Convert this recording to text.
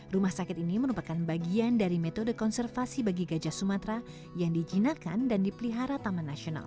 rumah sakit ini merupakan bagian dari metode konservasi bagi gajah sumatera yang dijinakan dan dipelihara taman nasional